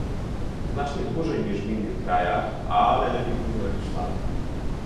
Znacznie dłużej niż w innych krajach, ale lepiej późno niż wcale